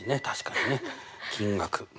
確かにね金額。